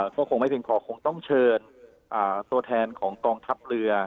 ก็คงไม่เพียงพอคงต้องเชิญตัวแทนของกองทัพเรือ